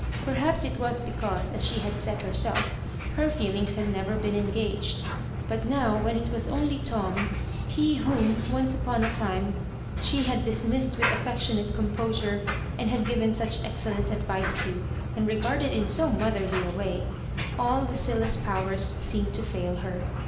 Per iiaps it was because, as she had herself said, her feelings had never been engaged. But now, when it was only Tom — ^he whom, once upon a time, she had dismissed with affectionate composure, and given such excellent advice to, and regarded in so motherly a way — all Lucilla's powers seemed to fail her.